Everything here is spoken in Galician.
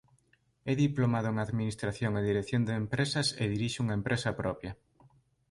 É diplomado en Administración e Dirección de Empresas e dirixe unha empresa propia.